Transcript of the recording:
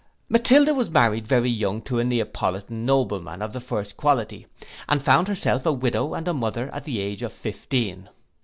'Matilda was married very young to a Neapolitan nobleman of the first quality, and found herself a widow and a mother at the age of fifteen.